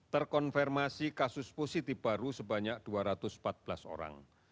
terkonfirmasi kasus positif baru sebanyak dua ratus empat belas orang